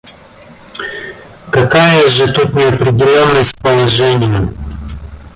Какая же тут неопределенность положения?